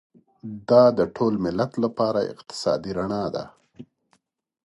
دا د ټول ملت لپاره اقتصادي رڼا ده.